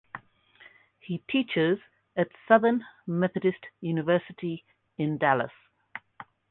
He teaches at Southern Methodist University in Dallas.